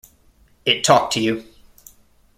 It talked to you.